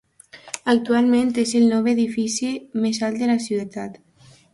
Actualment es el novè edifici més alt de la ciutat.